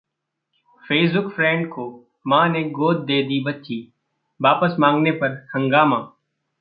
Facebook friend को मां ने गोद दे दी बच्ची, वापस मांगने पर हंगामा